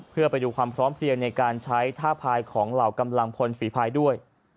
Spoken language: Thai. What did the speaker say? เพื่อไปดูความพร้อมเพลียงในการใช้ท่าพายของเหล่ากำลังพลฝีภายด้วย